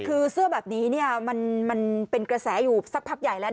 คือเสื้อแบบนี้เนี่ยนี้มันเป็นกระแสแกร่กลับใหญ่แล้ว